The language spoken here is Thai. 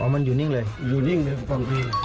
อ๋อมันอยู่นิ่งเลยอยู่นิ่งในกล่องเพลง